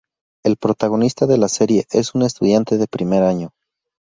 El protagonista de la serie, es un estudiante de primer año.